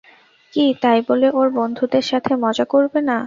কি, তাই বলে ওর বন্ধুদের সাথে মজা করবে না?